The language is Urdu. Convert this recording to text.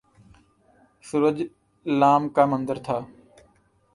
سورج ل کا منظر تھا